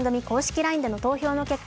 ＬＩＮＥでの投票の結果